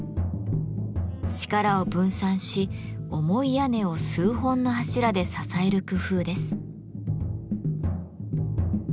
力を分散し重い屋根を数本の柱で支える工夫です。